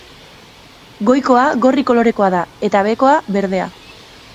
Goikoa gorri kolorekoa da, eta behekoa berdea.